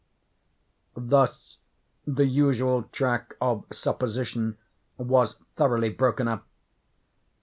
Thus the usual track of supposition was thoroughly broken up.